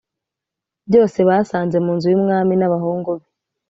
byose basanze mu nzu y umwami n abahungu be